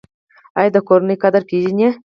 ایا د کورنۍ قدر پیژنئ؟